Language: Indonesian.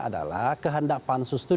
adalah kehendak pansus itu